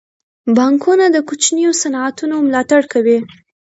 بانکونه د کوچنیو صنعتونو ملاتړ کوي.